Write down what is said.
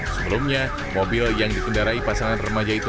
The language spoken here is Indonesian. sebelumnya mobil yang dikendarai pasangan remaja itu